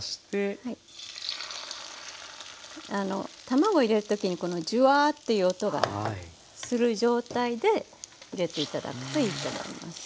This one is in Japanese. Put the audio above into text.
卵入れる時にこのジュワーッていう音がする状態で入れて頂くといいと思います。